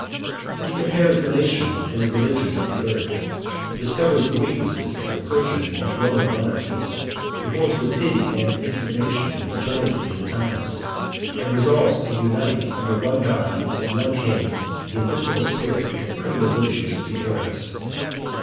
71 He compares the nations and the regions of the earth; discovers the weakness of the Persian and Roman monarchies; beholds, with pity and indignation, the degeneracy of the times; and resolves to unite under one God and one king the invincible spirit and primitive virtues of the Arabs.